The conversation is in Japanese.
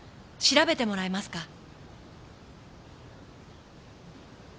調べてもらえますか？」